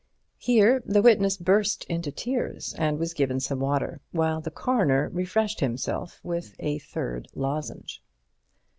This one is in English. Here the witness burst into tears and was given some water, while the Coroner refreshed himself with a third lozenge.